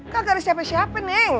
kagak ada siapa siapa nih